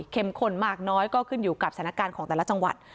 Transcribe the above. ข้นมากน้อยก็ขึ้นอยู่กับสถานการณ์ของแต่ละจังหวัด